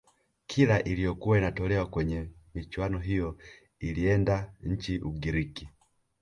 kila iliyokuwa inatolewa kwenye michuano hiyo ilienda nchini ugiriki